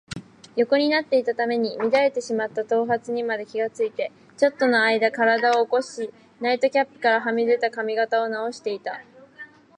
横になっていたために乱れてしまった頭髪にまで気がついて、ちょっとのあいだ身体を起こし、ナイトキャップからはみ出た髪形をなおしていた。